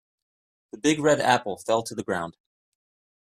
The big red apple fell to the ground.